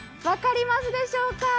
分かりますでしょうか？